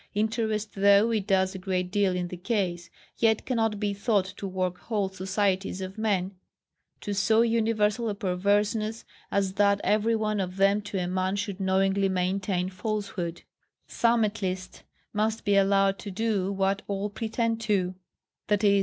Interest, though it does a great deal in the case, yet cannot be thought to work whole societies of men to so universal a perverseness, as that every one of them to a man should knowingly maintain falsehood: some at least must be allowed to do what all pretend to, i.e.